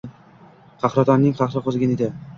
Qahratonning qahri qo‘zigan edi.